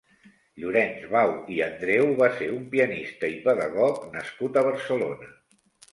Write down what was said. Llorenç Bau i Andreu va ser un pianista i pedagog nascut a Barcelona.